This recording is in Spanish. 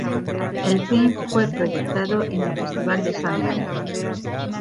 El film fue proyectado en el Festival de Sundance.